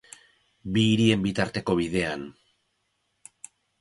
Bi hirien bitarteko bidean.